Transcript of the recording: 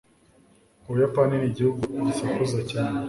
Ubuyapani nigihugu gisakuza cyane.